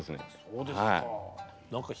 そうですか。